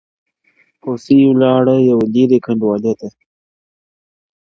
هوسۍ ولاړه يوې ليري كنډوالې ته-